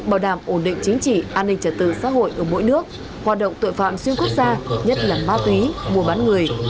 bảo đảm ổn định chính trị an ninh trả tự xã hội ở mỗi nước hoạt động tội phạm xuyên quốc gia nhất là ma túy mua bán người